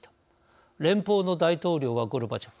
連邦の大統領はゴルバチョフ。